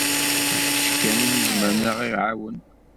D kečč kan i izemren ad ɣ-iɛawen.